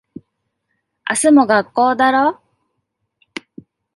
明日も学校だろ。